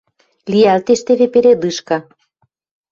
Лиӓлтеш теве передышка